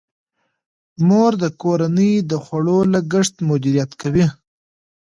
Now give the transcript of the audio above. مور د کورنۍ د خوړو لګښت مدیریت کوي.